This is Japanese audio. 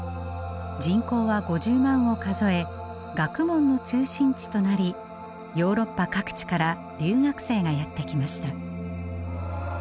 人口は５０万を数え学問の中心地となりヨーロッパ各地から留学生がやって来ました。